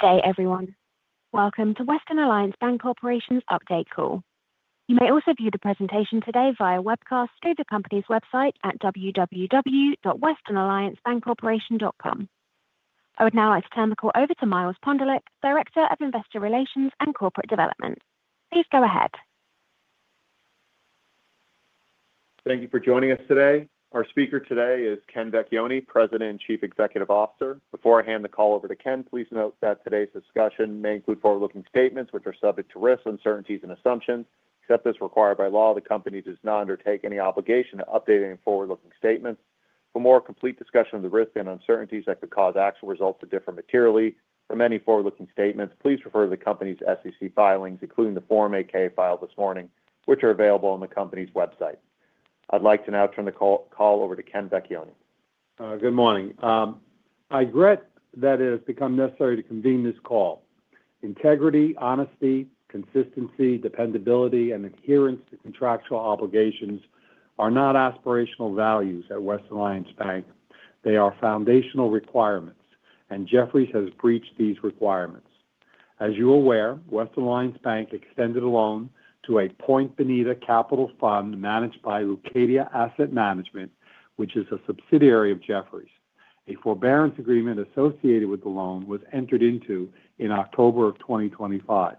Good day, everyone. Welcome to Western Alliance Bancorporation's update call. You may also view the presentation today via webcast through the company's website at www.westernalliancebancorporation.com. I would now like to turn the call over to Miles Pondelik, Director of Investor Relations and Corporate Development. Please go ahead. Thank you for joining us today. Our speaker today is Ken Vecchione, President and Chief Executive Officer. Before I hand the call over to Ken, please note that today's discussion may include forward-looking statements, which are subject to risks, uncertainties, and assumptions. Except as required by law, the company does not undertake any obligation to updating forward-looking statements. For more complete discussion of the risks and uncertainties that could cause actual results to differ materially from any forward-looking statements, please refer to the company's SEC filings, including the Form 8-K file this morning, which are available on the company's website. I'd like to now turn the call over to Ken Vecchione. Good morning. I regret that it has become necessary to convene this call. Integrity, honesty, consistency, dependability, and adherence to contractual obligations are not aspirational values at Western Alliance Bank. They are foundational requirements, and Jefferies has breached these requirements. As you're aware, Western Alliance Bank extended a loan to a Point Bonita Capital fund managed by Leucadia Asset Management, which is a subsidiary of Jefferies. A forbearance agreement associated with the loan was entered into in October 2025.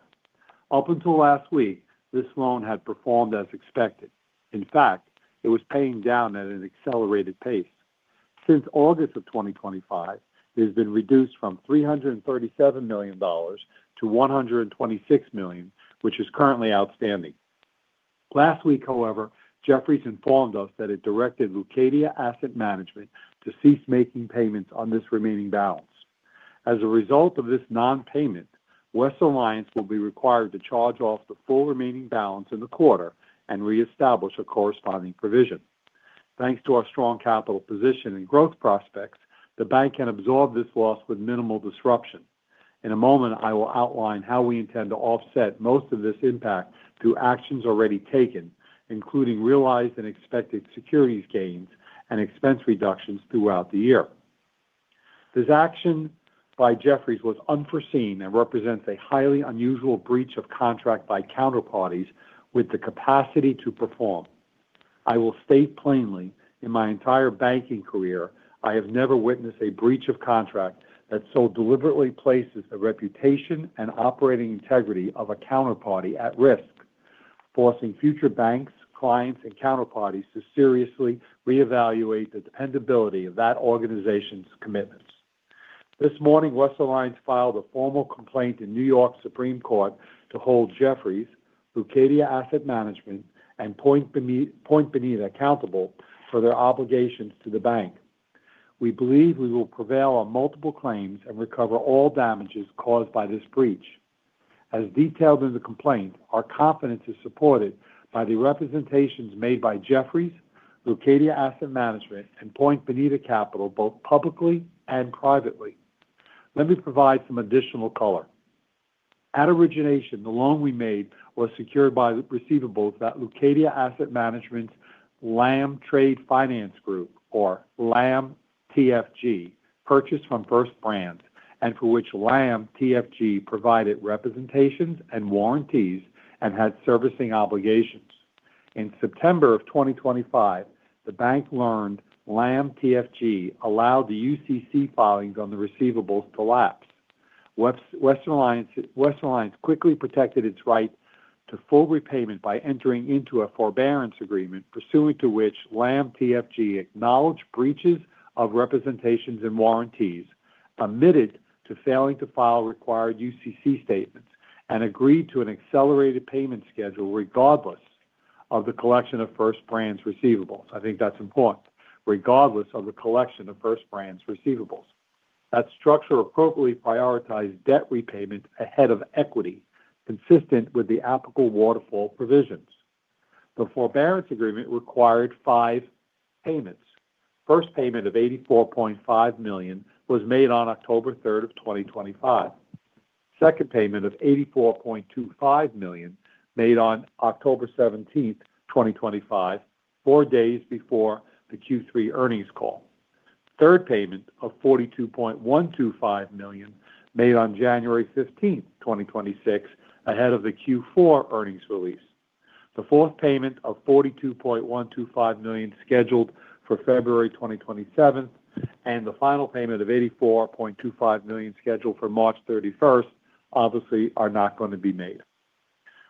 Up until last week, this loan had performed as expected. In fact, it was paying down at an accelerated pace. Since August 2025, it has been reduced from $337 million to $126 million, which is currently outstanding. Last week, however, Jefferies informed us that it directed Leucadia Asset Management to cease making payments on this remaining balance. As a result of this non-payment, Western Alliance will be required to charge off the full remaining balance in the quarter and reestablish a corresponding provision. Thanks to our strong capital position and growth prospects, the bank can absorb this loss with minimal disruption. In a moment, I will outline how we intend to offset most of this impact through actions already taken, including realized and expected securities gains and expense reductions throughout the year. This action by Jefferies was unforeseen and represents a highly unusual breach of contract by counterparties with the capacity to perform. I will state plainly, in my entire banking career, I have never witnessed a breach of contract that so deliberately places the reputation and operating integrity of a counterparty at risk, forcing future banks, clients, and counterparties to seriously reevaluate the dependability of that organization's commitments. This morning, Western Alliance filed a formal complaint in New York Supreme Court to hold Jefferies, Leucadia Asset Management, and PointBenita accountable for their obligations to the bank. We believe we will prevail on multiple claims and recover all damages caused by this breach. As detailed in the complaint, our confidence is supported by the representations made by Jefferies, Leucadia Asset Management, and Point Bonita Capital, both publicly and privately. Let me provide some additional color. At origination, the loan we made was secured by receivables at Leucadia Asset Management's LAM Trade Finance Group or LAM TFG purchased from First Brand, and for which LAM TFG provided representations and warranties and had servicing obligations. In September of 2025, the bank learned LAM TFG allowed the UCC filings on the receivables to lapse. Western Alliance quickly protected its right to full repayment by entering into a forbearance agreement, pursuant to which LAM TFG acknowledged breaches of representations and warranties, admitted to failing to file required UCC statements and agreed to an accelerated payment schedule regardless of the collection of First Brand's receivables. I think that's important. Regardless of the collection of First Brand's receivables. That structure appropriately prioritized debt repayment ahead of equity, consistent with the applicable waterfall provisions. The forbearance agreement required five payments. First payment of $84.5 million was made on October 3, 2025. Second payment of $84.25 million made on October 17, 2025, four days before the Q3 earnings call. Third payment of $42.125 million made on January 15, 2026, ahead of the Q4 earnings release. The fourth payment of $42.125 million scheduled for February 27th, and the final payment of $84.25 million scheduled for March 31st, obviously are not gonna be made.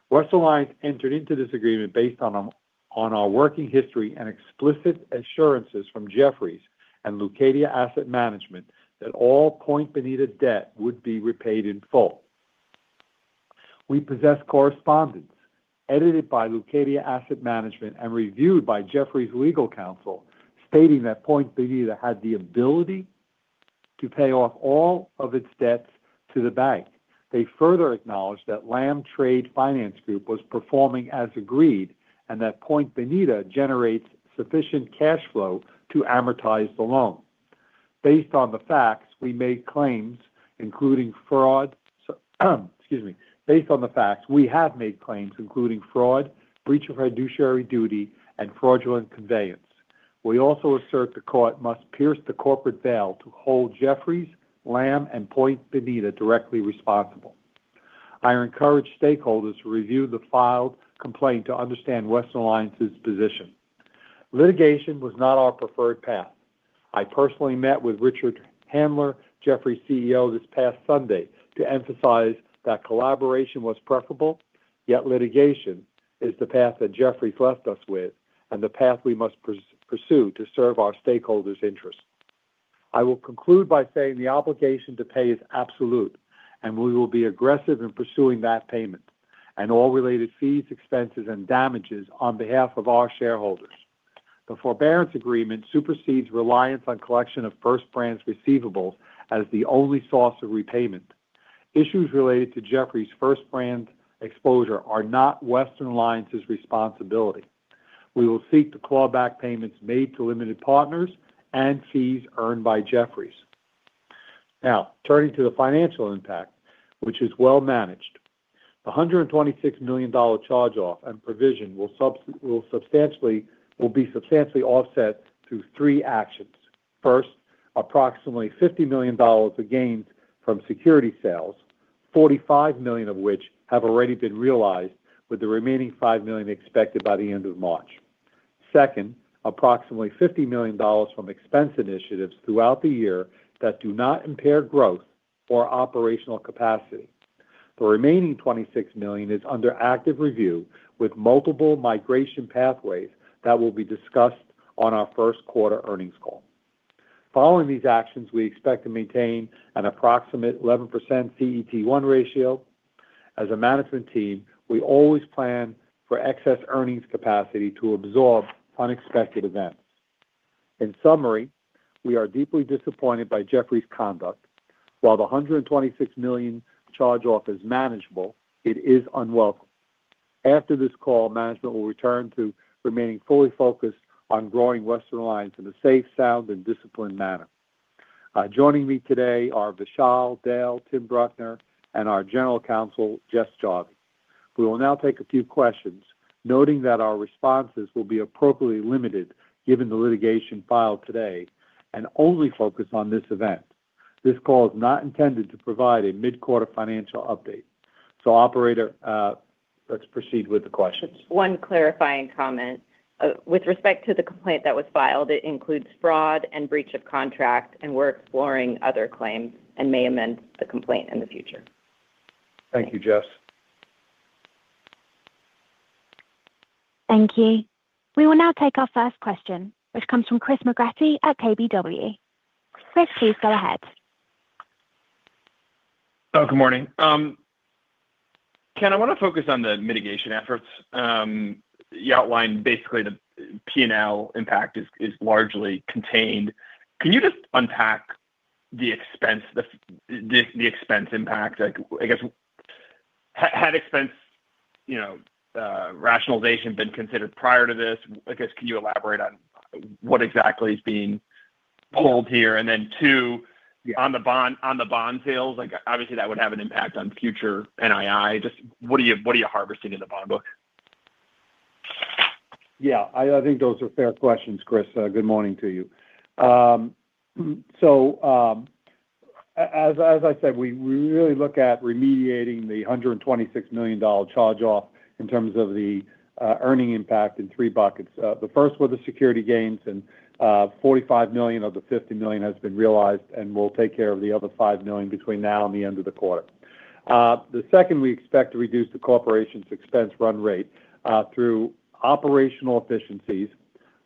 Western Alliance entered into this agreement based on our working history and explicit assurances from Jefferies and Leucadia Asset Management that all Point Bonita debt would be repaid in full. We possess correspondence edited by Leucadia Asset Management and reviewed by Jefferies legal counsel, stating that Point Bonita had the ability to pay off all of its debts to the bank. They further acknowledged that LAM Trade Finance Group was performing as agreed and that Point Bonita generates sufficient cash flow to amortize the loan. Based on the facts, we made claims including fraud. Excuse me. Based on the facts, we have made claims including fraud, breach of fiduciary duty, and fraudulent conveyance. We also assert the court must pierce the corporate veil to hold Jefferies, LAM and Point Bonita directly responsible. I encourage stakeholders to review the filed complaint to understand Western Alliance's position. Litigation was not our preferred path. I personally met with Richard Handler, Jefferies' CEO, this past Sunday to emphasize that collaboration was preferable, yet litigation is the path that Jefferies left us with and the path we must pursue to serve our stakeholders' interests. I will conclude by saying the obligation to pay is absolute, and we will be aggressive in pursuing that payment and all related fees, expenses, and damages on behalf of our shareholders. The forbearance agreement supersedes reliance on collection of First Brands receivables as the only source of repayment. Issues related to Jefferies' First Brand exposure are not Western Alliance's responsibility. We will seek to claw back payments made to limited partners and fees earned by Jefferies. Turning to the financial impact, which is well managed. The $126 million charge-off and provision will be substantially offset through three actions. First, approximately $50 million of gains from security sales, $45 million of which have already been realized, with the remaining $5 million expected by the end of March. Second, approximately $50 million from expense initiatives throughout the year that do not impair growth or operational capacity. The remaining $26 million is under active review with multiple migration pathways that will be discussed on our first quarter earnings call. Following these actions, we expect to maintain an approximate 11% CET1 ratio. As a management team, we always plan for excess earnings capacity to absorb unexpected events. In summary, we are deeply disappointed by Jefferies' conduct. While the $126 million charge-off is manageable, it is unwelcome. After this call, management will return to remaining fully focused on growing Western Alliance in a safe, sound, and disciplined manner. Joining me today are Vishal, Dale, Tim Bruckner, and our General Counsel, Jess Jarvis. We will now take a few questions, noting that our responses will be appropriately limited given the litigation filed today and only focus on this event. This call is not intended to provide a mid-quarter financial update. Operator, let's proceed with the questions. One clarifying comment. With respect to the complaint that was filed, it includes fraud and breach of contract. We're exploring other claims and may amend the complaint in the future. Thank you, Jess. Thank you. We will now take our first question, which comes from Christopher McGratty at KBW. Chris, please go ahead. Good morning. Ken, I want to focus on the mitigation efforts. You outlined basically the P&L impact is largely contained. Can you just unpack the expense, the expense impact? Like, I guess had expense, you know, rationalization been considered prior to this? I guess, can you elaborate on what exactly is being pulled here? Then two, on the bond sales, like obviously that would have an impact on future NII. Just what are you harvesting in the bond book? I think those are fair questions, Chris. Good morning to you. As I said, we really look at remediating the $126 million charge-off in terms of the earning impact in three buckets. The first were the security gains and $45 million of the $50 million has been realized, and we'll take care of the other $5 million between now and the end of the quarter. The second, we expect to reduce the corporation's expense run rate through operational efficiencies,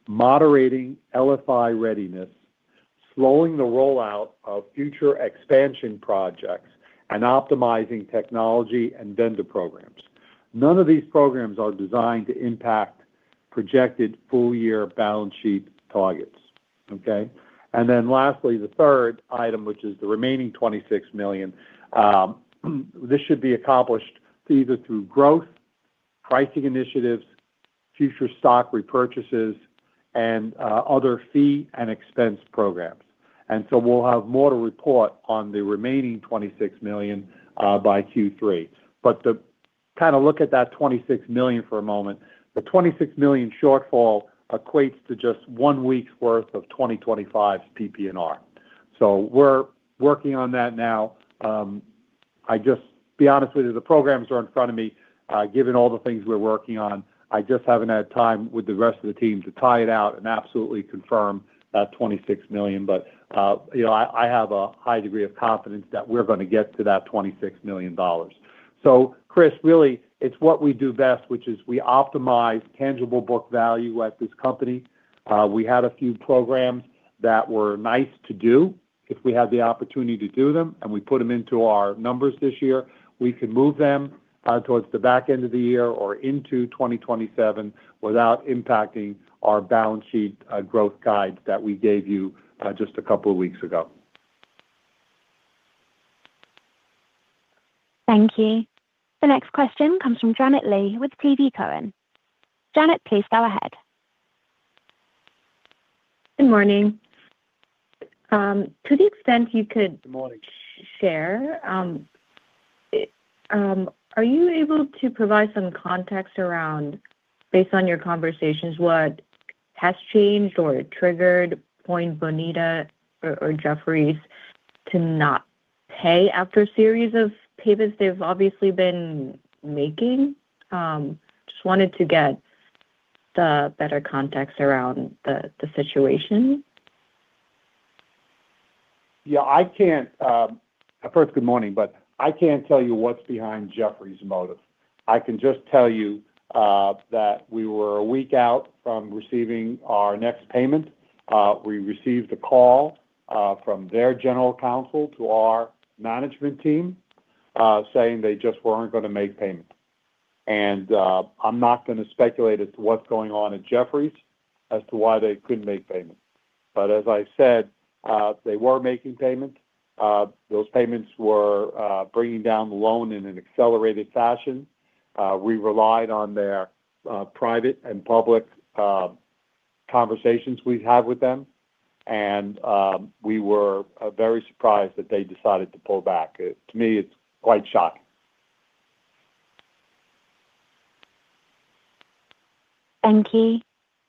moderating LFI readiness, slowing the rollout of future expansion projects, and optimizing technology and vendor programs. None of these programs are designed to impact projected full-year balance sheet targets. Okay? Lastly, the third item, which is the remaining $26 million, this should be accomplished either through growth, pricing initiatives, future stock repurchases, and other fee and expense programs. We'll have more to report on the remaining $26 million by Q3. To kind of look at that $26 million for a moment, the $26 million shortfall equates to just one week's worth of 2025's PPNR. We're working on that now. To be honest with you, the programs are in front of me. Given all the things we're working on, I just haven't had time with the rest of the team to tie it out and absolutely confirm that $26 million. You know, I have a high degree of confidence that we're going to get to that $26 million. Chris, really, it's what we do best, which is we optimize tangible book value at this company. We had a few programs that were nice to do if we had the opportunity to do them, and we put them into our numbers this year. We can move them towards the back end of the year or into 2027 without impacting our balance sheet, growth guide that we gave you, just a couple of weeks ago. Thank you. The next question comes from Janet Lee with TD Cowen. Janet, please go ahead. Good morning. Good morning. -share, are you able to provide some context around, based on your conversations, what has changed or triggered Point Bonita or Jefferies to not pay after a series of payments they've obviously been making? Just wanted to get the better context around the situation. Yeah, I can't. First, good morning. I can't tell you what's behind Jefferies' motive. I can just tell you that we were a week out from receiving our next payment. We received a call from their general counsel to our management team saying they just weren't gonna make payment. I'm not gonna speculate as to what's going on at Jefferies as to why they couldn't make payment. As I said, they were making payments. Those payments were bringing down the loan in an accelerated fashion. We relied on their private and public conversations we've had with them. We were very surprised that they decided to pull back. To me, it's quite shocking. Thank you.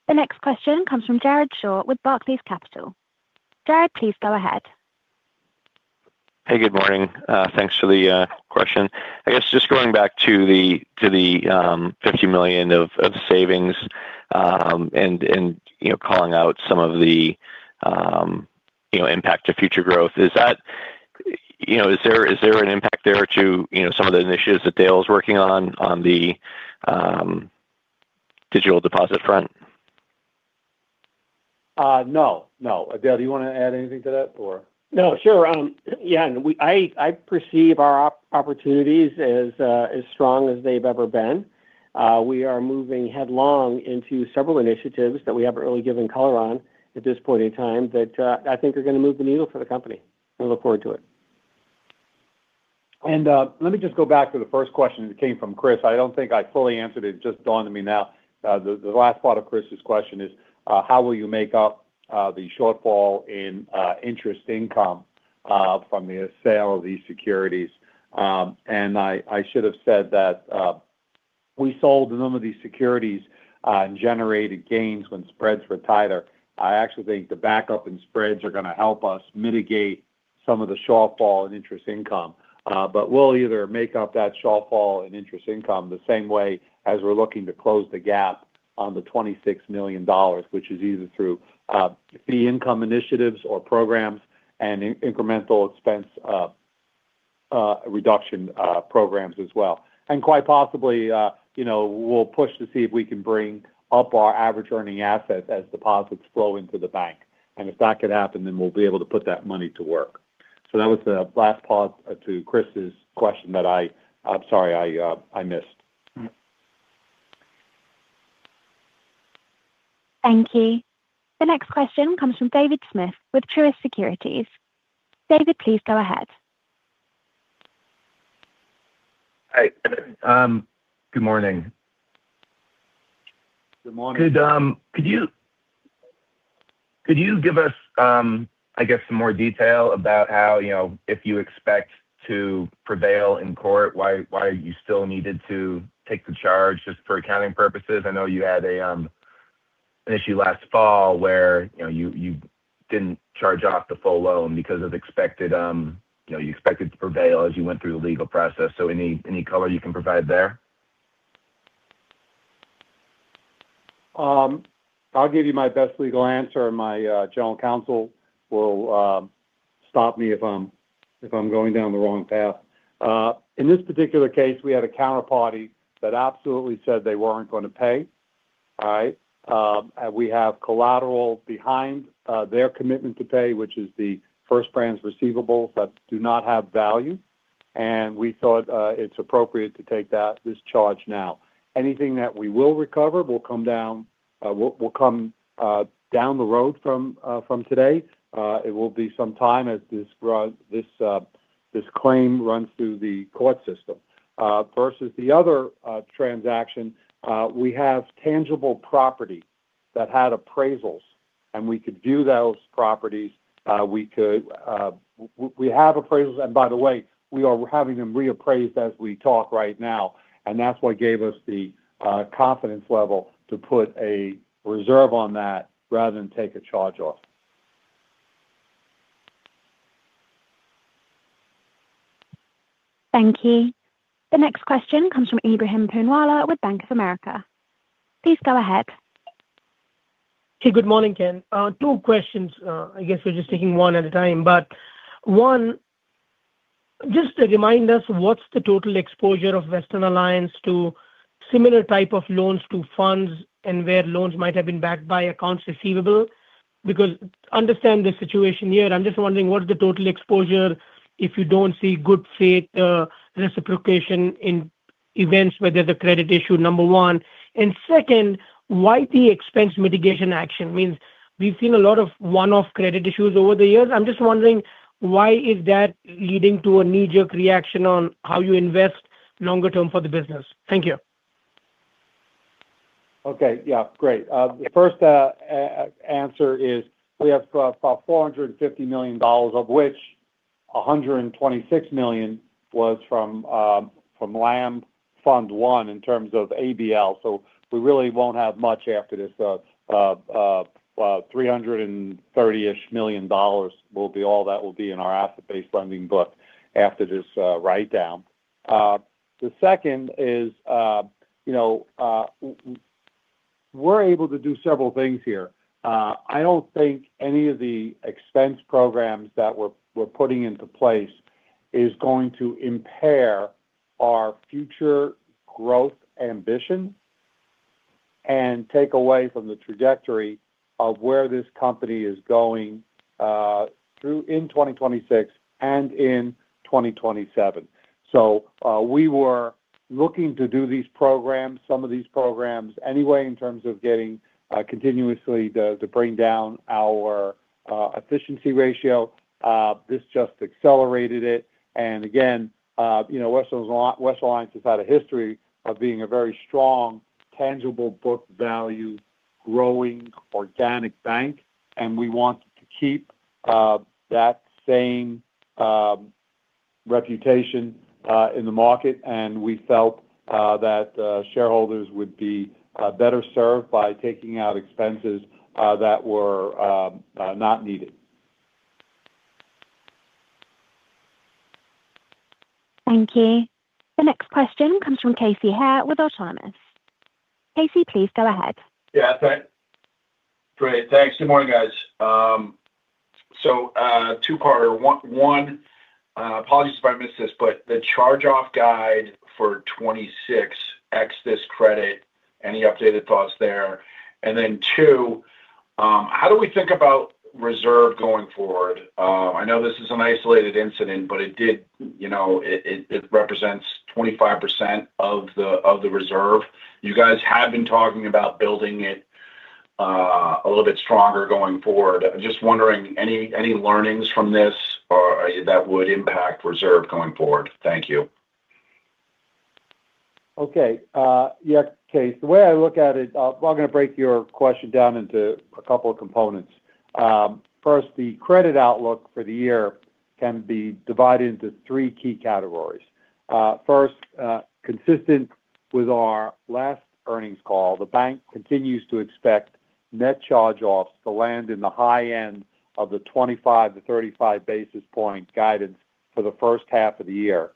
The next question comes from Jared Shaw with Barclays Capital. Jared, please go ahead. Hey, good morning. Thanks for the question. I guess just going back to the, to the $50 million of savings, and, you know, calling out some of the, you know, impact to future growth. Is there an impact there to, you know, some of the initiatives that Dale is working on the digital deposit front? No. Dale, do you wanna add anything to that or? No, sure. Yeah. I perceive our opportunities as strong as they've ever been. We are moving headlong into several initiatives that we haven't really given color on at this point in time that I think are gonna move the needle for the company. I look forward to it. Let me just go back to the first question that came from Chris McGratty. I don't think I fully answered it. It just dawned on me now. The last part of Chris McGratty's question is, how will you make up the shortfall in interest income from the sale of these securities? I should have said that we sold some of these securities and generated gains when spreads were tighter. I actually think the backup in spreads are gonna help us mitigate some of the shortfall in interest income. We'll either make up that shortfall in interest income the same way as we're looking to close the gap on the $26 million, which is either through fee income initiatives or programs and incremental expense reduction programs as well. Quite possibly, you know, we'll push to see if we can bring up our average earning assets as deposits flow into the bank. If that could happen, then we'll be able to put that money to work. That was the last part, to Chris's question that I'm sorry I missed. Thank you. The next question comes from David Smith with Truist Securities. David, please go ahead. Hi. Good morning. Good morning. Could you give us, I guess some more detail about how, you know, if you expect to prevail in court, why you still needed to take the charge just for accounting purposes? I know you had a, an issue last fall where, you know, you didn't charge off the full loan because of expected. You know, you expected to prevail as you went through the legal process. Any color you can provide there? I'll give you my best legal answer, my general counsel will stop me if I'm going down the wrong path. In this particular case, we had a counterparty that absolutely said they weren't gonna pay. All right? We have collateral behind their commitment to pay, which is the First Brand's receivables that do not have value. We thought it's appropriate to take this charge now. Anything that we will recover will come down, will come down the road from today. It will be some time as this claim runs through the court system. Versus the other transaction, we have tangible property that had appraisals, we could view those properties. We have appraisals. By the way, we are having them reappraised as we talk right now, and that's what gave us the confidence level to put a reserve on that rather than take a charge off. Thank you. The next question comes from Ebrahim Poonawala with Bank of America. Please go ahead. Hey, good morning, Ken. Two questions. I guess we're just taking one at a time. One, just remind us what's the total exposure of Western Alliance to similar type of loans to funds and where loans might have been backed by accounts receivable? Understand the situation here, I'm just wondering what is the total exposure if you don't see good faith reciprocation in events where there's a credit issue, number one? Second, why the expense mitigation action? Means we've seen a lot of one-off credit issues over the years. I'm just wondering why is that leading to a knee-jerk reaction on how you invest longer term for the business? Thank you. Okay. Yeah, great. The first answer is we have about $450 million, of which $126 million was from Lamb Fund one in terms of ABL. We really won't have much after this. $330 million ish will be all that will be in our asset-based lending book after this write-down. The second is, you know, we're able to do several things here. I don't think any of the expense programs that we're putting into place is going to impair our future growth ambition and take away from the trajectory of where this company is going through in 2026 and in 2027. We were looking to do these programs, some of these programs anyway in terms of getting continuously to bring down our efficiency ratio. This just accelerated it. Again, you know, Western Alliance has had a history of being a very strong, tangible book value growing organic bank, and we want to keep that same reputation in the market. We felt that shareholders would be better served by taking out expenses that were not needed. Thank you. The next question comes from Casey Haire with Jefferies. Casey, please go ahead. Yeah, great. Thanks. Good morning, guys. Two-parter. One, apologies if I missed this, but the charge-off guide for 26 ex this credit, any updated thoughts there? Two, how do we think about reserve going forward? I know this is an isolated incident, but it did, you know, it represents 25% of the, of the reserve. You guys have been talking about building it a little bit stronger going forward. Just wondering any learnings from this or that would impact reserve going forward? Thank you. Okay. yeah, Case. The way I look at it, well, I'm going to break your question down into a couple of components. First, the credit outlook for the year can be divided into three key categories. First, consistent with our last earnings call, the bank continues to expect net charge-offs to land in the high end of the 25-35 basis point guidance for the first half of the year.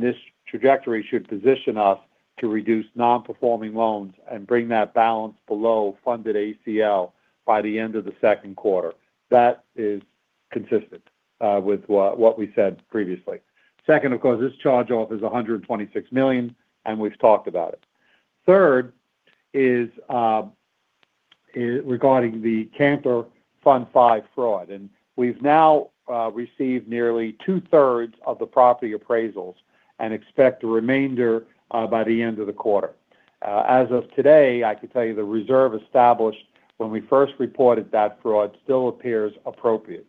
This trajectory should position us to reduce non-performing loans and bring that balance below funded ACL by the end of the second quarter. That is consistent with what we said previously. Second, of course, this charge-off is $126 million, and we've talked about it. Third is regarding the Cantor Fund Five fraud. We've now received nearly two-thirds of the property appraisals and expect the remainder by the end of the quarter. As of today, I could tell you the reserve established when we first reported that fraud still appears appropriate.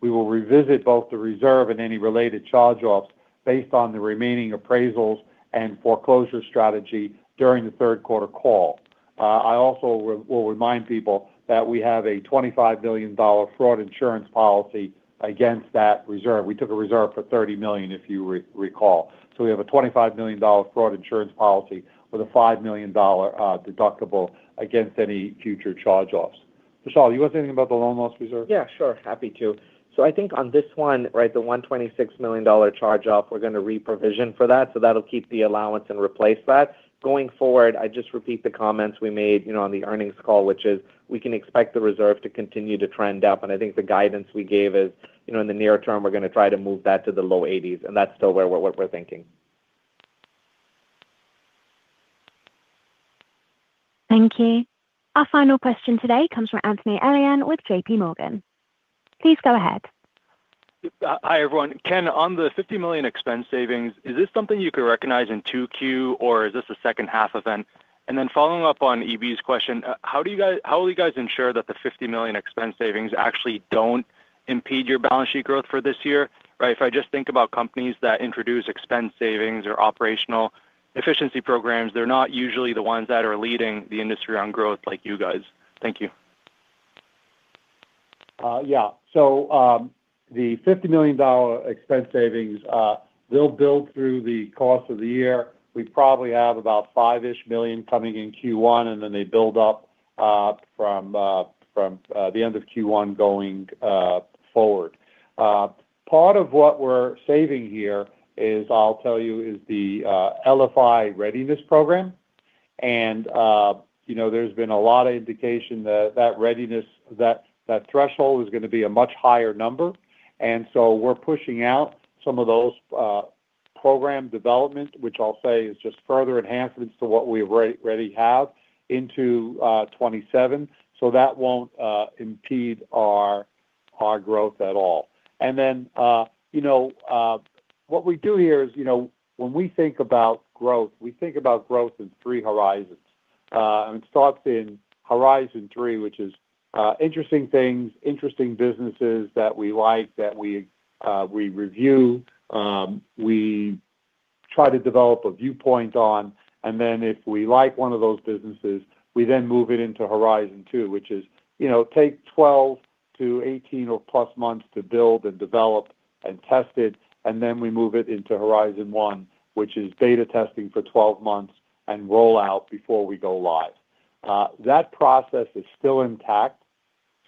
We will revisit both the reserve and any related charge-offs based on the remaining appraisals and foreclosure strategy during the third quarter call. I also will remind people that we have a $25 million fraud insurance policy against that reserve. We took a reserve for $30 million, if you recall. We have a $25 million fraud insurance policy with a $5 million deductible against any future charge-offs. Vishal, you want to say anything about the loan loss reserve? Yeah, sure. Happy to. I think on this one, right, the $126 million charge-off, we're going to reprovision for that. That'll keep the allowance and replace that. Going forward, I just repeat the comments we made, you know, on the earnings call, which is we can expect the reserve to continue to trend up. I think the guidance we gave is, you know, in the near term, we're going to try to move that to the low 80s. That's still where we're thinking. Thank you. Our final question today comes from Anthony Elian with JPMorgan. Please go ahead. Hi, everyone. Ken, on the $50 million expense savings, is this something you could recognize in 2Q or is this a second half event? Following up on EB's question, how will you guys ensure that the $50 million expense savings actually don't impede your balance sheet growth for this year? Right? If I just think about companies that introduce expense savings or operational efficiency programs, they're not usually the ones that are leading the industry on growth like you guys. Thank you. Yeah. The $50 million expense savings, they'll build through the course of the year. We probably have about $5 million coming in Q1, then they build up from the end of Q1 going forward. Part of what we're saving here is, I'll tell you, is the LFI readiness program. You know, there's been a lot of indication that that readiness, that threshold is going to be a much higher number. We're pushing out some of those program development, which I'll say is just further enhancements to what we already have into 2027. That won't impede our growth at all. Then, you know, what we do here is, you know, when we think about growth, we think about growth in 3 horizons. It starts in horizon three, which is interesting things, interesting businesses that we like, that we review. We try to develop a viewpoint on, and then if we like one of those businesses, we then move it into horizon two, which is, you know, take 12 to 18 or plus months to build and develop and test it, and then we move it into horizon one, which is beta testing for 12 months and roll out before we go live. That process is still intact,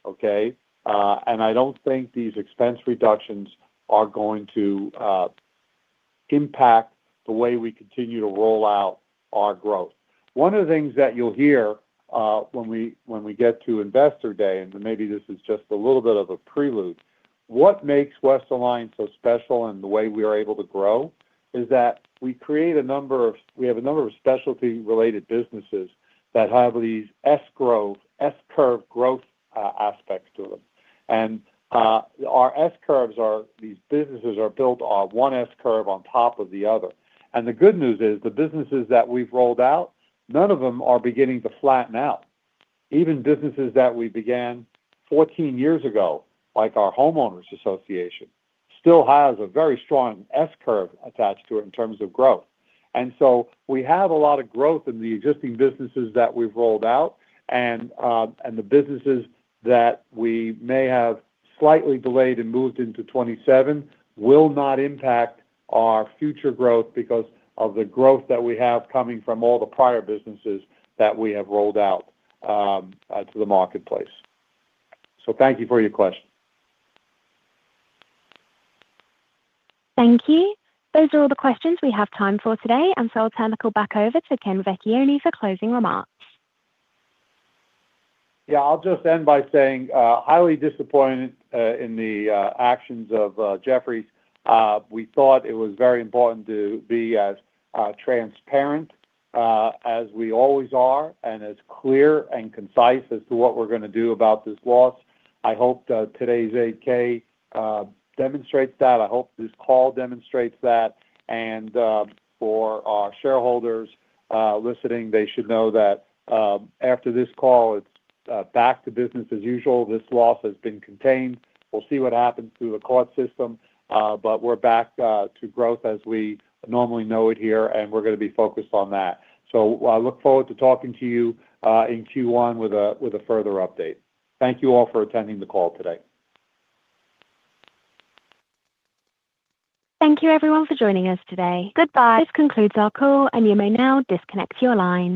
okay? I don't think these expense reductions are going to impact the way we continue to roll out our growth. One of the things that you'll hear, when we get to Investor Day, maybe this is just a little bit of a prelude, what makes Western Alliance so special and the way we are able to grow is that we have a number of specialty related businesses that have these S-curve growth aspects to them. Our S-curves are these businesses are built on one S-curve on top of the other. The good news is, the businesses that we've rolled out, none of them are beginning to flatten out. Even businesses that we began 14 years ago, like our homeowners association, still has a very strong S-curve attached to it in terms of growth. We have a lot of growth in the existing businesses that we've rolled out and the businesses that we may have slightly delayed and moved into 2027 will not impact our future growth because of the growth that we have coming from all the prior businesses that we have rolled out to the marketplace. Thank you for your question. Thank you. Those are all the questions we have time for today, and so I'll turn the call back over to Ken Vecchione for closing remarks. I'll just end by saying, highly disappointed in the actions of Jefferies. We thought it was very important to be as transparent as we always are and as clear and concise as to what we're gonna do about this loss. I hope that today's 8-K demonstrates that. I hope this call demonstrates that. For our shareholders listening, they should know that after this call, it's back to business as usual. This loss has been contained. We'll see what happens through the court system, but we're back to growth as we normally know it here, and we're gonna be focused on that. I look forward to talking to you in Q1 with a further update. Thank you all for attending the call today. Thank you everyone for joining us today. Goodbye. This concludes our call, and you may now disconnect your lines.